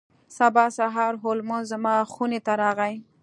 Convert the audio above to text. سبا سهار هولمز زما خونې ته راغی.